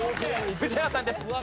宇治原さんです。